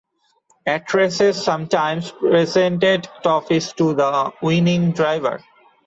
Actresses sometimes presented trophies to the winning driver.